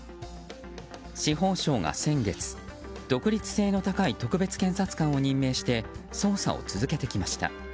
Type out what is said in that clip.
司法省が先月、独立性の高い特別検察官を任命して捜査を続けてきました。